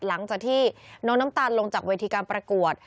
หลังจากที่น้องน้ำตาลลงจากเวทีการประกวด